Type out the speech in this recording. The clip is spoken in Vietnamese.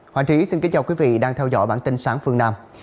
hoàng trí xin kính chào quý vị đang theo dõi bản tin sáng phương nam